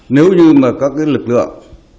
nếu như mà các cái lực lượng